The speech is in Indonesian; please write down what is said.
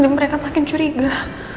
mereka makin curiga